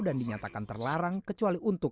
dan dinyatakan terlarang kecuali untuk